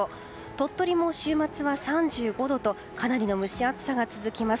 鳥取も週末は３５度とかなりの蒸し暑さが続きます。